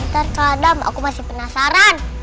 ntar kadang aku masih penasaran